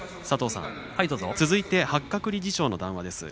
続いて八角理事長の談話です。